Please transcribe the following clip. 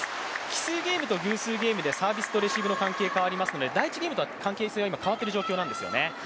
奇数ゲームと偶数ゲームでサービスとレシーブの関係が変わりますので第１ゲームとは関係性、今、変わってる状況なんですよね。